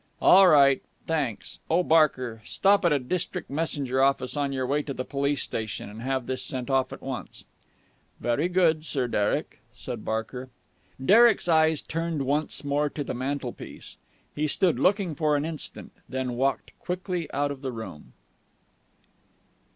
"All right. Thanks. Oh, Barker, stop at a district messenger office on your way to the police station, and have this sent off at once." "Very good, Sir Derek," said Barker. Derek's eyes turned once more to the mantelpiece. He stood looking for an instant, then walked quickly out of the room.